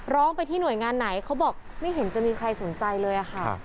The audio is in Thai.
ร้องไปที่หน่วยงานไหนเขาบอกไม่เห็นจะมีใครสนใจเลยค่ะ